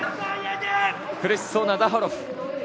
苦しそうなザハロフ。